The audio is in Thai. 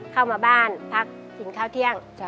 เข้ามาบ้านพักกินข้าวเที่ยง